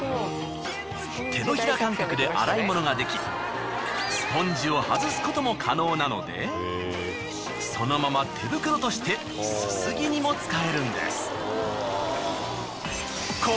手のひら感覚で洗い物ができスポンジを外すことも可能なのでそのまま手袋としてすすぎにも使えるんです。